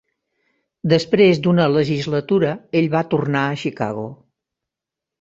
Després d'una legislatura, ell va tornar a Chicago.